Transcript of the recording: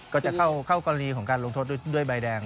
ก็จะเข้ากรณีของการลงโทษด้วยใบแดง